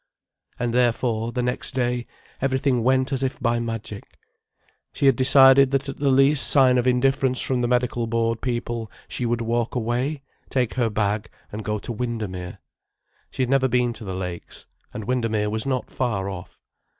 And therefore, the next day, everything went as if by magic. She had decided that at the least sign of indifference from the medical board people she would walk away, take her bag, and go to Windermere. She had never been to the Lakes. And Windermere was not far off.